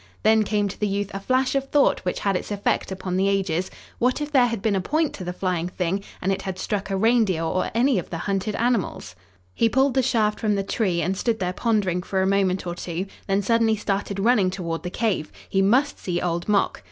Then came to the youth a flash of thought which had its effect upon the ages: "What if there had been a point to the flying thing and it had struck a reindeer or any of the hunted animals?" He pulled the shaft from the tree and stood there pondering for a moment or two, then suddenly started running toward the cave. He must see Old Mok!